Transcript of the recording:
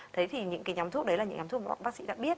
thế thì những nhóm thuốc đấy là những nhóm thuốc bác sĩ đã biết